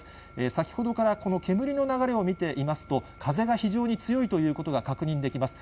先ほどからこの煙の流れを見ていますと、風が非常に強いということが確認できます。